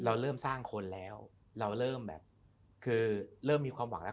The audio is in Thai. เราเริ่มสร้างคนแล้วเราเริ่มแบบคือเริ่มมีความหวังแล้ว